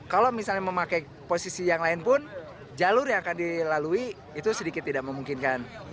kalau misalnya memakai posisi yang lain pun jalur yang akan dilalui itu sedikit tidak memungkinkan